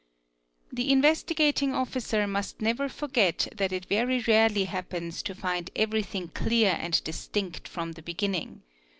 ; The Investigating Officer must never forget that it very rarely happen | to find everything clear and distinct from the beginning.